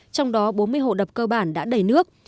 trong đó bốn mươi hồ đập cơ bản đã đầy nước